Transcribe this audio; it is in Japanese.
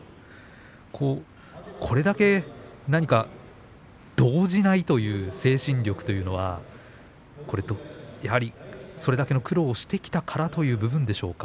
これだけ何か動じないという精神力というのはそれだけの苦労をしてきたからという部分でしょうか。